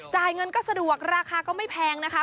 จ่ายเงินก็สะดวกราคาก็ไม่แพงนะคะ